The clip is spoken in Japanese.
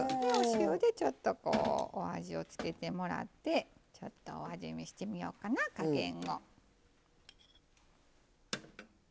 お塩でちょっとこうお味を付けてもらってちょっとお味見してみようかな加減を。